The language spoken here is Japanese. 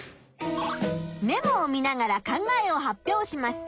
メモを見ながら考えを発表します。